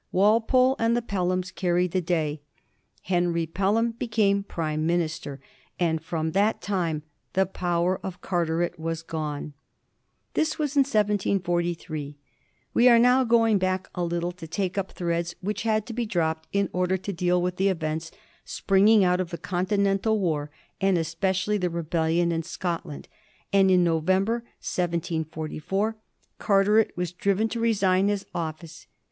Walpole and the Pelhams carried the day ; Henry Pelham became Prime minister, and from that time the power of Carteret was gone. This was in 1743 — we are now going back a little to take up threads which had to be dropped in order to deal with the events springing out of the continental war, and espe cially the rebellion in Scotland — and in November, 1744, Carteret was driven to resign his office.